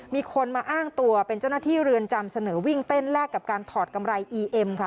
มีคนมาอ้างตัวเป็นเจ้าหน้าที่เรือนจำเสนอวิ่งเต้นแลกกับการถอดกำไรอีเอ็มค่ะ